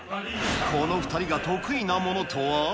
この２人が得意なものとは。